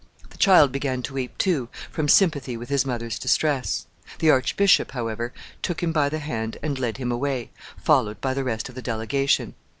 The child began to weep too, from sympathy with his mother's distress. The archbishop, however, took him by the hand and led him away, followed by the rest of the delegation.